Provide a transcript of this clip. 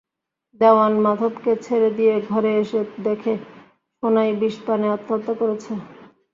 দেওয়ান মাধবকে ছেড়ে দিয়ে ঘরে এসে দেখে সোনাই বিষ পানে আত্মহত্যা করেছে।